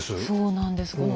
そうなんです。